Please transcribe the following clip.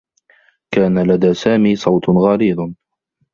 كان لدى سامي صوت غليظ.